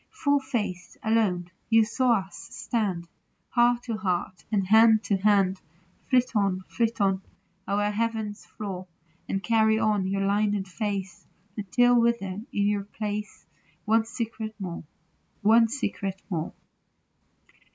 Full faced, alone, you saw us stand, Heart to heart, and hand to hand. Flit on, flit on, o'er heaven's floor, And carry on your lined face Until you wither in your place One secret more, one secret more.